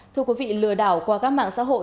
thưa quý vị lừa đảo qua các mạng xã hội